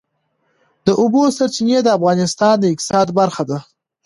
د اوبو سرچینې د افغانستان د اقتصاد برخه ده.